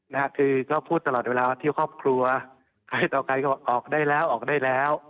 นะฮะคือก็พูดตลอดเวลาที่ครอบครัวใครต่อใครก็บอกออกได้แล้วออกได้แล้ว